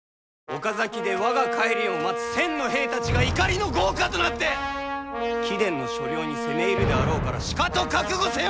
岡崎で我が帰りを待つ１，０００の兵たちが怒りの業火となって貴殿の所領に攻め入るであろうからしかと覚悟せよ！